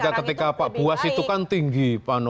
bukan kalau ketika pak buas itu kan tinggi